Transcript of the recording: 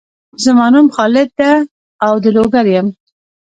زما نوم خالد دهاو د لوګر یم